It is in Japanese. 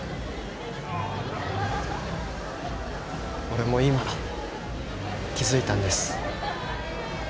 俺も今気づいたんです。